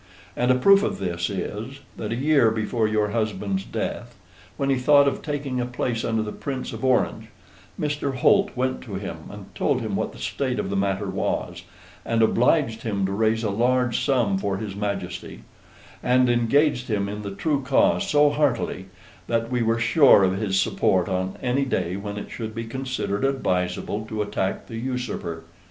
And a proof of this is, that a year before your husband's death, when he thought of taking a place under the Prince of Orange, Mr. Holt went to him, and told him what the state of the matter was, and obliged him to raise a large sum for his Majesty; and engaged him in the true cause so heartily, that we were sure of his support on any day when it should be considered advisable to attack the usurper.